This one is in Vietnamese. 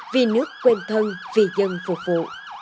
vì nước quen thân vì dân phục vụ